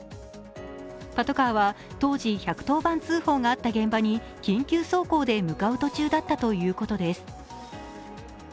パトカーは当時１１０番通報があった現場に緊急走行で向かう途中だったということです。